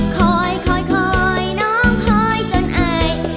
คอยคอยน้องคอยจนอาย